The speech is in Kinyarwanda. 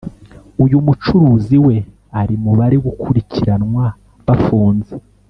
uyu mucuruzi we ari mu bari gukurikiranwa bafunze